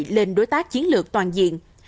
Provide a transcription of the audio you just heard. lên đối tác chiến lược toàn diện